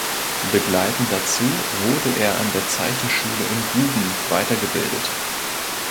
Begleitend dazu wurde er an der Zeichenschule in Guben weitergebildet.